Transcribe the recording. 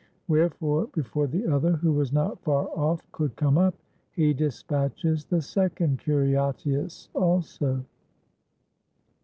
Wherefore before the other, who was not far off, could come up, he dispatches the second Curiatius also.